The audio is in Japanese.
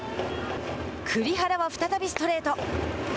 栗原は再びストレート。